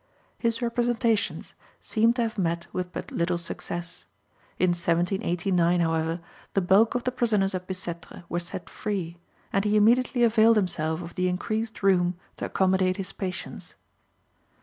His representations seem to have met with but little success. In 1789, however, the bulk of the prisoners at Bicêtre were set free, and he immediately availed himself of the increased room to accommodate his patients.